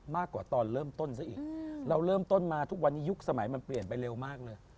มากกว่าตอนเริ่มต้นซะอีกเราเริ่มต้นมาทุกวันนี้ยุคสมัยมันเปลี่ยนไปเร็วมากเลย